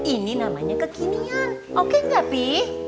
ini namanya kekinian oke enggak pi